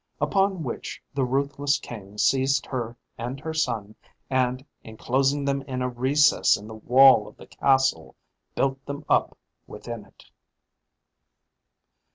Upon which the ruthless king seized her and her son, and enclosing them in a recess in the wall of the castle, built them up within it.